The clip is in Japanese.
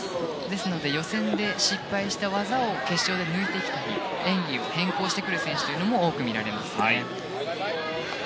ですので予選で失敗した技を決勝で抜いてきたり演技を変更してくる選手も多く見られますね。